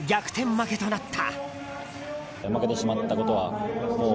負けとなった。